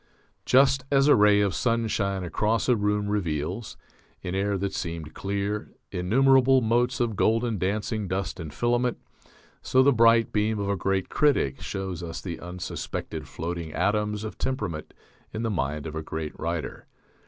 Just as a ray of sunshine across a room reveals, in air that seemed clear, innumerable motes of golden dancing dust and filament, so the bright beam of a great critic shows us the unsuspected floating atoms of temperament in the mind of a great writer.